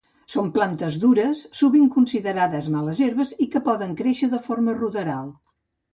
Són plantes dures, sovint considerades males herbes i que poden créixer de forma ruderal.